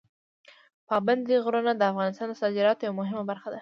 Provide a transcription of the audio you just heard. پابندي غرونه د افغانستان د صادراتو یوه مهمه برخه ده.